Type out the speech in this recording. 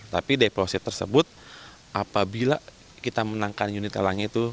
tapi deposit tersebut apabila kita menangkan unit elang itu